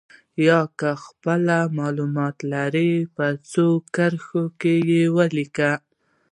یا که خپله معلومات لرئ په څو کرښو کې یې ولیکئ.